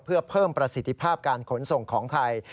เพื่อเพิ่มประสิทธิภาพการขนส่งของไทย